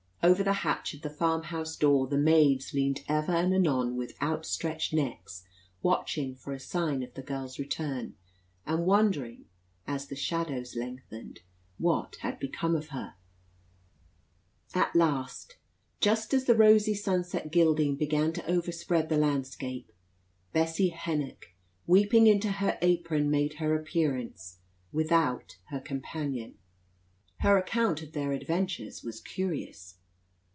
Over the hatch of the farm house door the maids leant ever and anon with outstretched necks, watching for a sign of the girl's return, and wondering, as the shadows lengthened, what had become of her. At last, just as the rosy sunset gilding began to overspread the landscape, Bessie Hennock, weeping into her apron, made her appearance without her companion. Her account of their adventures was curious.